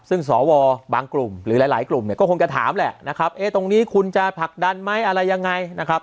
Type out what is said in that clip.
ซึ่งสวบางกลุ่มหรือหลายกลุ่มเนี่ยก็คงจะถามแหละนะครับเอ๊ะตรงนี้คุณจะผลักดันไหมอะไรยังไงนะครับ